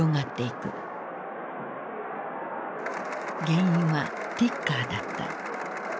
原因はティッカーだった。